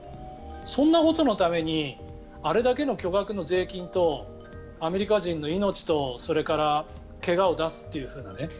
そんなことのためにあれだけの巨額の税金とアメリカ人の命と怪我を出すっていうふうな。